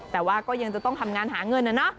แต่ว่าก็ยังจะต้องทำงานหาเงินนะเนาะ